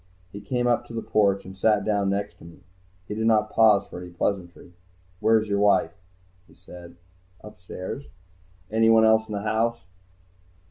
He came up to the porch and sat down next to me. He did not pause for any pleasantries. "Where's your wife?" he said. "Upstairs." "Anyone else in the house?"